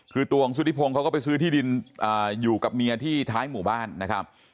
คือตัวของสุธิพงศ์เขาก็ไปซื้อที่ดินอยู่กับเมียที่ท้ายหมู่บ้านนะครับ